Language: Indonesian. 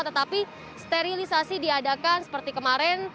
tetapi sterilisasi diadakan seperti kemarin